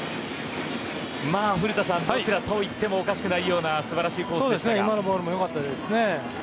古田さんどちらといってもおかしくないような今のボールも良かったですね。